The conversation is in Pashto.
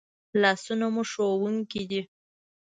لاسونه مو ښوونکي دي